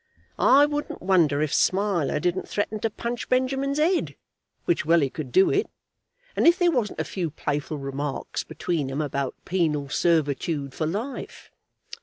I wouldn't wonder if Smiler didn't threaten to punch Benjamin's head, which well he could do it, and if there wasn't a few playful remarks between 'em about penal servitude for life.